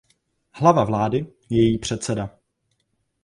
Hlava vlády je její předseda.